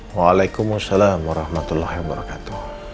wa'alaikumussalam warahmatullahi wabarakatuh